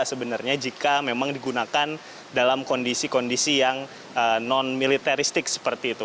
sebenarnya jika memang digunakan dalam kondisi kondisi yang non militeristik seperti itu